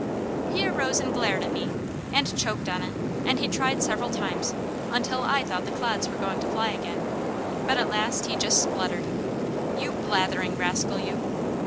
"He arose and glared at me, and choked on it, and he tried several times, until I thought the clods were going to fly again, but at last he just spluttered: 'You blathering rascal, you!'